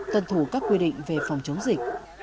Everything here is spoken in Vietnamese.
tân thủ các quy định về phòng chống dịch